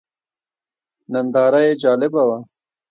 ننداره یې جالبه وه.